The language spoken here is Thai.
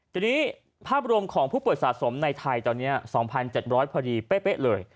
ทีนี้ภาพรวมของผู้ป่วยสะสมในไทยตอนนี้๒๗๐๐พอดีเป๊ะเลย